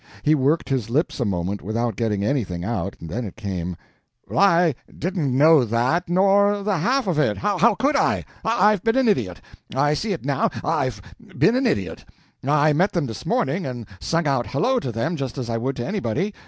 He worked his lips a moment without getting anything out; then it came: "I didn't know that, nor the half of it; how could I? I've been an idiot. I see it now—I've been an idiot. I met them this morning, and sung out hello to them just as I would to anybody.